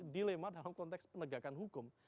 dilema dalam konteks penegakan hukum